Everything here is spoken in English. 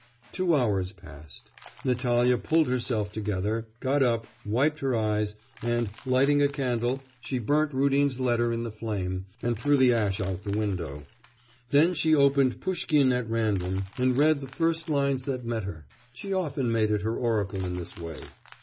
Two hours passed. Natalya pulled herself together, got up, wiped her eyes, and, lighting a candle, she burnt Rudin's letter in the flame, and threw the ash out of window. Then she opened Pushkin at random, and read the first lines that met her. (She often made it her oracle in this way.)